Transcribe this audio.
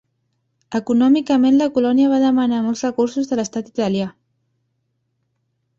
Econòmicament la colònia va demanar molts recursos de l'estat italià.